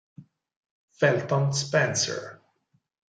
Felton Spencer